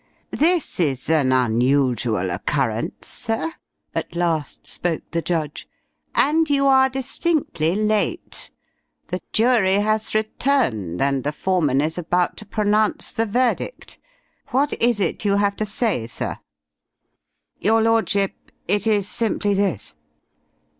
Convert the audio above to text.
"This is an unusual occurrence, sir," at last spoke the judge, "and you are distinctly late. The jury has returned and the foreman is about to pronounce the verdict. What is it you have to say, sir?" "Your Lordship, it is simply this."